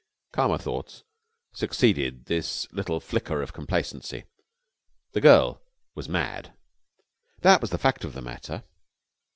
Calmer thoughts succeeded this little flicker of complacency. The girl was mad. That was the fact of the matter.